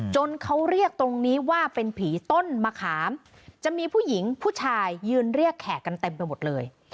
เขาเรียกตรงนี้ว่าเป็นผีต้นมะขามจะมีผู้หญิงผู้ชายยืนเรียกแขกกันเต็มไปหมดเลย